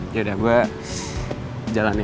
yaudah gue jalan ya